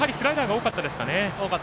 多かったですね。